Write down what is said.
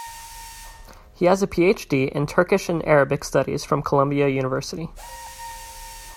He has a PhD in Turkish and Arabic studies from Columbia University.